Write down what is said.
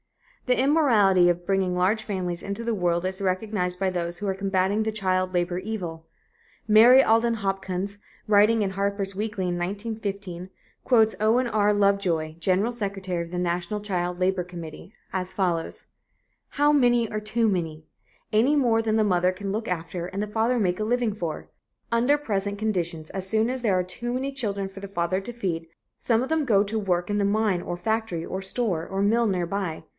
The immorality of bringing large families into the world is recognized by those who are combatting the child labor evil. Mary Alden Hopkins, writing in Harper's Weekly in 1915, quotes Owen R. Lovejoy, general secretary of the National Child Labor Committee, as follows: "How many are too many? ... Any more than the mother can look after and the father make a living for ... Under present conditions as soon as there are too many children for the father to feed, some of them go to work in the mine or factory or store or mill near by.